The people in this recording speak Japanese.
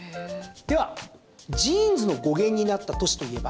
では、ジーンズの語源になった都市といえば？